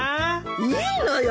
いいのよ。